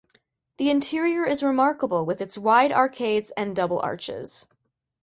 The interior is remarkable with its wide arcades and double arches.